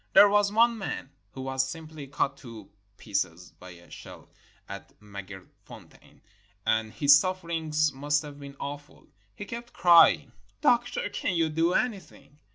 There was one man who was simply cut to pieces by a shell at Maaghersfontein, and his sufferings must have been awful. He kept crying, "Doctor, can't you do anything?"